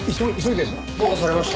どうかされました？